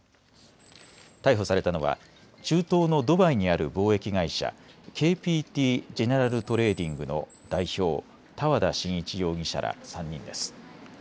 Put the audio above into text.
逮捕されたのは中東のドバイにある貿易会社、ＫＰＴＧｅｎｅｒａｌＴｒａｄｉｎｇの代表、多和田眞一容疑者ら３人です。